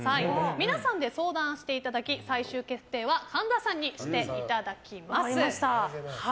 皆さんで相談していただき最終決定は神田さんにしていただきます。